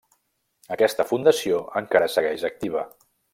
Aquesta fundació encara segueix activa.